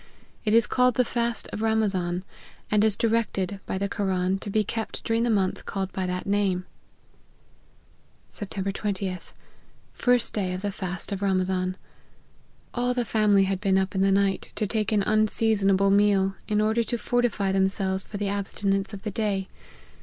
It is called the fast of Ramazan, and is directed by the Koran to be kept during the month called by that name. " Sept. 20th. First day of the fast of Ramazan. All the family had been up in the night, to take an unseasonable meal, in order to fortify themselves for the abstinence of the day.